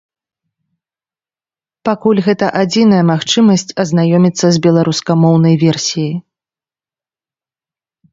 Пакуль гэта адзіная магчымасць азнаёміцца з беларускамоўнай версіяй.